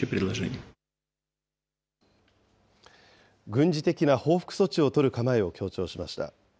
軍事的な報復措置を取る構えを強調しました。